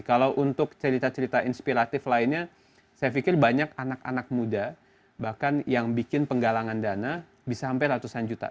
kalau untuk cerita cerita inspiratif lainnya saya pikir banyak anak anak muda bahkan yang bikin penggalangan dana bisa sampai ratusan juta